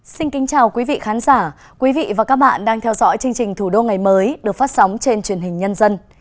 xin kính chào quý vị khán giả quý vị và các bạn đang theo dõi chương trình thủ đô ngày mới được phát sóng trên truyền hình nhân dân